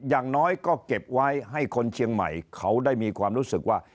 อย่างน้อยก็เก็บไว้ให้คนเชียงใหม่เขาได้มีความรู้สึกว่า